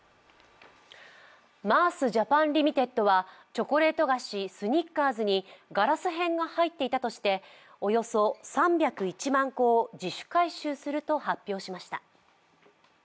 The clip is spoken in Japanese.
マースジャパンリミテッドはチョコレート菓子・スニッカーズにガラス片が入っていたとしておよそ３０１万個を自主回収すると発表しました。